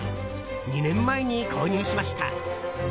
２年前に購入しました。